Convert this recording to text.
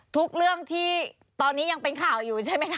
ทุกเรื่องที่ตอนนี้ยังเป็นข่าวอยู่ใช่ไหมคะ